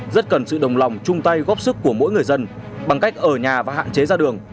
rất cần sự đồng lòng chung tay góp sức của mỗi người dân bằng cách ở nhà và hạn chế ra đường